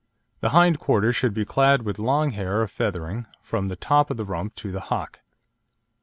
The hind quarters should be clad with long hair or feathering, from the top of the rump to the hock.